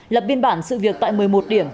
lập biên bản sự việc tại một mươi một điểm